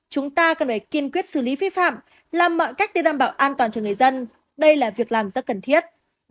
chúng ta cần phải kiên quyết xử lý vi phạm làm mọi cách để đảm bảo an toàn cho người dân đây là việc làm rất cần thiết